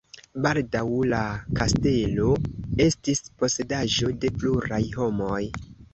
Baldaŭ la kastelo estis posedaĵo de pluraj homoj.